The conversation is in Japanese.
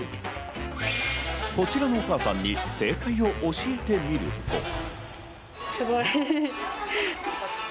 こちらのお母さんに正解を教えてみると。